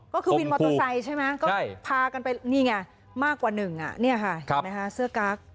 ก็คือวินมอเตอร์ไซด์ใช่ไหมพากันไปนี่ไงมากกว่าหนึ่งนี่ค่ะเสื้อกาก